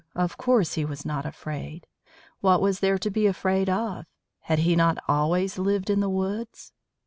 Of course he was not afraid. What was there to be afraid of? Had he not always lived in the woods?